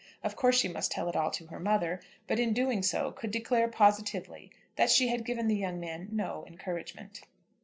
Of course she must tell it all to her mother, but in doing so could declare positively that she had given the young man no encouragement.